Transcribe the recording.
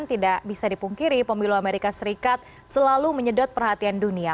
tidak bisa dipungkiri pemilu amerika serikat selalu menyedot perhatian dunia